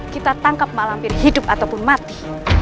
kita tangkap mak lampir hidup ataupun mati